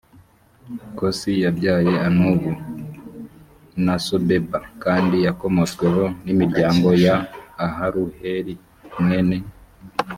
kosi yabyaye anubu na sobeba kandi yakomotsweho n imiryango ya aharuheli mwene